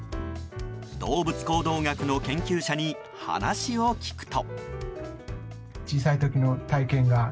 動物行動学の研究者に話を聞くと。